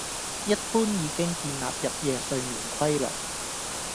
一般已經建立日夜睡眠規律